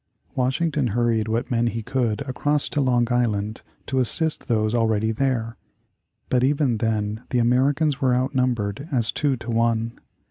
Washington hurried what men he could across to Long Island to assist those already there. But even then the Americans were outnumbered as two to one.